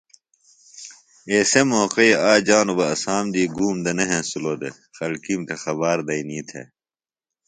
ایسےۡ موقئی آک جانوۡ بہ اسام دی گُوم دےۡ نہ ہینسِلوۡ دےۡ خلکیم تھےۡ خبار دئنی تھےۡ